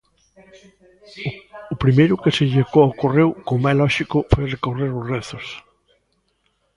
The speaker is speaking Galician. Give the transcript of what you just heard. O primeiro que se lle ocorreu, como é lóxico, foi recorrer ós rezos.